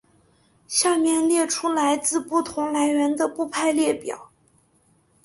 下面列出来自不同来源的部派列表。